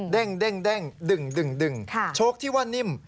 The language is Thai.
เด้งดึงโชคที่ว่านิ่ม